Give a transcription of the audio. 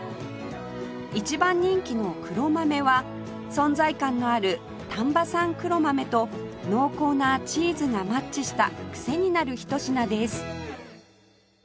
一番人気の黒豆は存在感のある丹波産黒豆と濃厚なチーズがマッチしたクセになる一品です